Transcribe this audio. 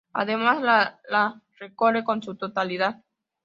Además la la recorre en su totalidad.